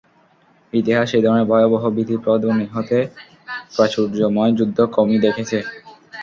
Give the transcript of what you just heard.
ইতিহাস এ ধরনের ভয়াবহ, ভীতিপ্রদ ও নিহতে প্রাচুর্যময় যুদ্ধ কমই দেখেছে।